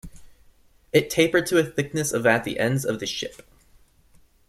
It tapered to a thickness of at the ends of the ship.